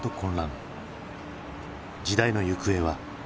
時代の行方は？